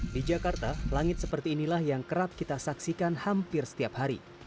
di jakarta langit seperti inilah yang kerap kita saksikan hampir setiap hari